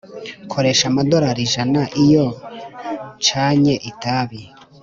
koresha amadolari ijana iyo ncanye itabi